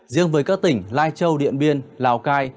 riêng với các tỉnh lai châu điện biên lào cai